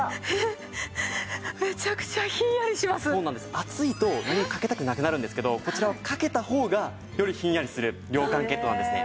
暑いと何もかけたくなくなるんですけどこちらはかけたほうがよりひんやりする涼感ケットなんですね。